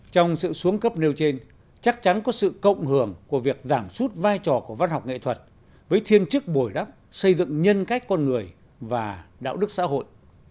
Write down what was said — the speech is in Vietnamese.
trong sự xuống cấp nêu trên chắc chắn có sự cộng hưởng của việc giảm suốt vai trò của văn học nghệ thuật với thiên chức bồi đắp xây dựng nhân cách con người và đạo đức xã hội